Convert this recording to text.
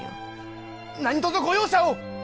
何とぞご容赦を！